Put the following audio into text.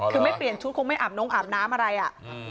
คือไม่เปลี่ยนชุดคงไม่อาบน้องอาบน้ำอะไรอ่ะ